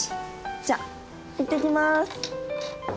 じゃあいってきます。